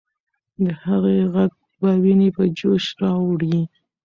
د هغې ږغ به ويني په جوش راوړي.